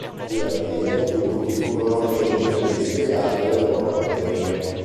Gli artiglieri turchi furono lenti nel dispiegare le loro batterie.